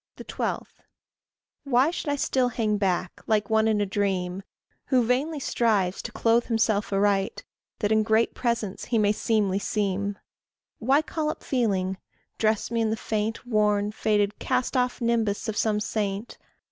12. Why should I still hang back, like one in a dream, Who vainly strives to clothe himself aright, That in great presence he may seemly seem? Why call up feeling? dress me in the faint, Worn, faded, cast off nimbus of some saint?